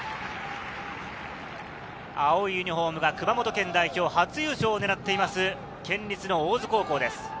青いユニホームが熊本県代表、初優勝を狙っています、県立の大津高校です。